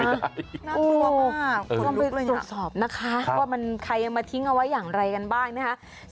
ต้องไปตรวจสอบนะคะว่ามันใครมาทิ้งเอาไว้อย่างไรกันบ้างนะคะ